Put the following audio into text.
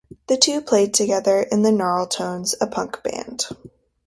The two played together in the Gnarltones, a punk band.